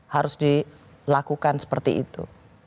harus dilakukan seperti itu